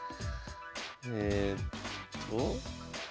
えっと。